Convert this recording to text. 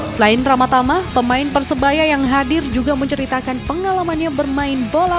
selain ramatama pemain persebaya yang hadir juga menceritakan pengalamannya bermain bola